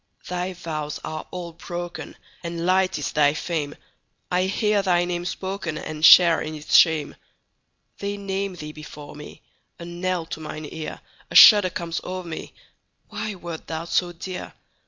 Thy vows are all broken, And light is thy fame:I hear thy name spokenAnd share in its shame. They name thee before me,A knell to mine ear;A shudder comes o'er me—Why wert thou so dear?